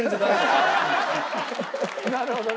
なるほどね。